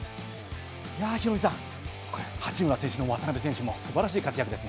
ヒロミさん、これ八村選手も渡邊選手も素晴らしい活躍です。